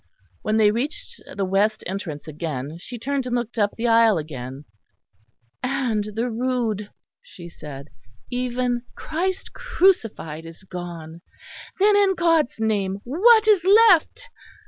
When they reached the west entrance again she turned and looked up the aisle again. "And the Rood!" she said. "Even Christ crucified is gone. Then, in God's name what is left?"